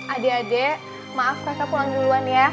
adik adik maaf kakak pulang duluan ya